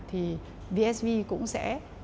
thì vsb cũng sẽ